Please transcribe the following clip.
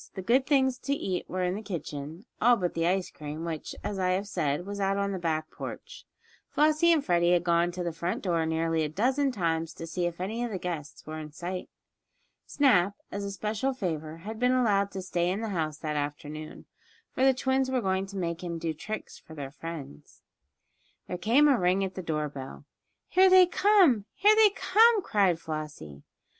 The good things to eat were in the kitchen, all but the ice cream, which, as I have said, was out on the back porch. Flossie and Freddie had gone to the front door nearly a dozen times to see if any of the guests were in sight. Snap, as a special favor, had been allowed to stay in the house that afternoon, for the twins were going to make him do tricks for their friends. There came a ring at the door bell. "Here they come! Here they come!" cried Flossie.